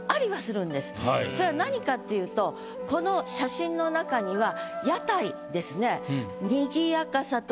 それは何かっていうとこの写真の中には屋台ですね。